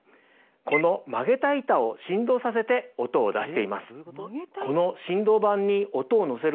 この曲げた板を振動させて音を出しています。